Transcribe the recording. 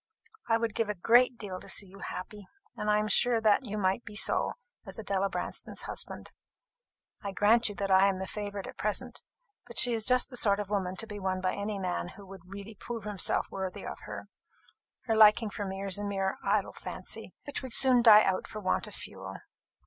I would give a great deal to see you happy; and I am sure that you might be so as Adela Branston's husband. I grant you that I am the favourite at present; but she is just the sort of woman to be won by any man who would really prove himself worthy of her. Her liking for me is a mere idle fancy, which would soon die out for want of fuel.